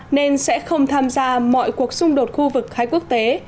iraq sẽ không tham gia mọi cuộc xung đột khu vực khai quốc tế